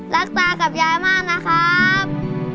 ตากับยายมากนะครับ